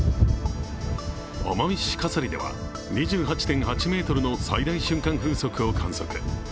奄美市笠利では、２８．８メートルの最大瞬間風速を観測。